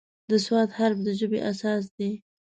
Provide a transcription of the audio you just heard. د "ص" حرف د ژبې اساس دی.